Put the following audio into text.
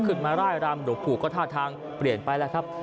ขึ้นมาร่ายรามหลงปู่ก็ท่าทางเปลี่ยนไปแล้วครับ